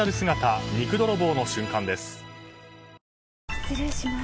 失礼します。